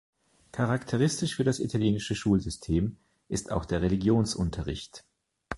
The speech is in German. Charakteristisch für das italienische Schulsystem ist auch der Religionsunterricht.